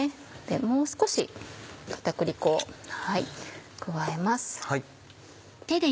もう少し片栗粉を加えます。